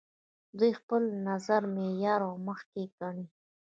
دوی خپل نظر معیار او محک ګڼي.